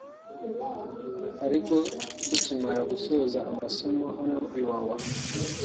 ariko tukimara gusoza amasomo hano Iwawa